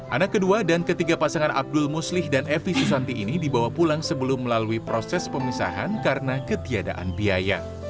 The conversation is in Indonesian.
anak kedua dan ketiga pasangan abdul muslih dan evi susanti ini dibawa pulang sebelum melalui proses pemisahan karena ketiadaan biaya